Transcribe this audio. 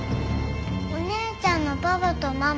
お姉ちゃんのパパとママ？